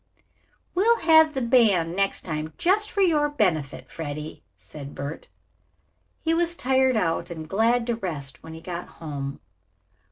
"We'll have the band next time just for your benefit, Freddie," said Bert. He was tired out and glad to rest when they got home.